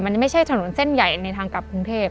มันไม่ใช่ถนนเส้นใหญ่ในทางกลับกรุงเทพ